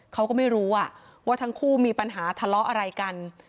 เขาก็ไม่รู้ว่าทั้งคู่มีปัญหาทะเลาะอะไรกัน